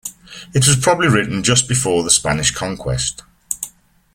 It was probably written just before the Spanish conquest.